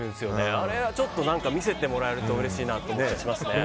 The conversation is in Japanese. あれはちょっと見せてもらえるとうれしいなと思いますね。